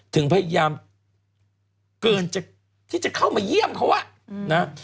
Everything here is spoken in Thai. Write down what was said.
ถึงพยายามเกินจะที่จะเข้ามาเยี่ยมเขาอ่ะนะ